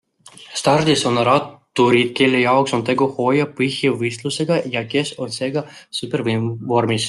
Stardis on ratturid, kelle jaoks on tegu hooaja põhivõistlusega ja kes on seega supervormis.